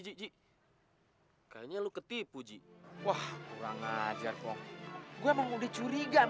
kayaknya lu ketipu ji wah kurang ajar kong gue mau curiga